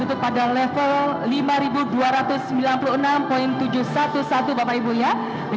untuk tahun dua ribu enam belas